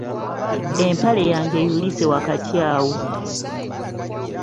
Empale yange eyulise wakati wayo.